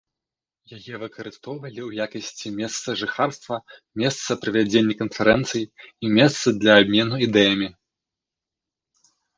Яе выкарыстоўвалі ў якасці месца жыхарства, месца правядзення канферэнцый і месца для абмену ідэямі.